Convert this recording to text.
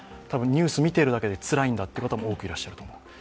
ニュースを見てるだけでつらいという方も多くいらっしゃると思います。